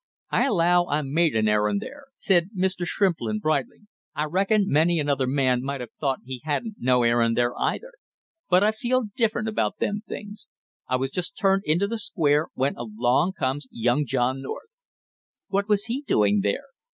"I allow I made an errand there," said Mr. Shrimplin bridling. "I reckon many another man might have thought he hadn't no errand there either, but I feel different about them things. I was just turned into the Square when along comes young John North " "What was he doing there?"